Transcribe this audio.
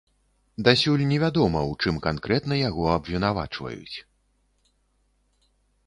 Дасюль невядома, у чым канкрэтна яго абвінавачваюць.